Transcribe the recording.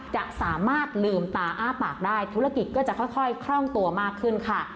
จะสามารถลืมตาอ้าปากได้ธุรกิจก็จะค่อยคล่องตัวมากขึ้นค่ะ